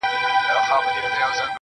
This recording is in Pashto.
سر مي جار له یاره ښه خو ټیټ دي نه وي-